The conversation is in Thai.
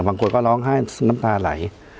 บางคนก็ร้องไห้น้ำตาไหล